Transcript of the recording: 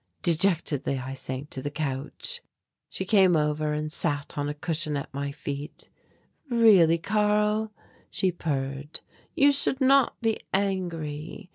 Dejectedly I sank to the couch. She came over and sat on a cushion at my feet. "Really Karl," she purred, "you should not be angry.